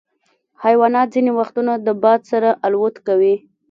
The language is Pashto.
حیوانات ځینې وختونه د باد سره الوت کوي.